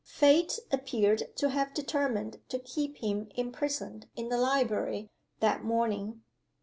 Fate appeared to have determined to keep him imprisoned in the library, that morning.